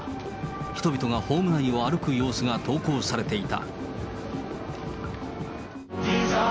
人々がホーム内を歩く様子が投稿されていた。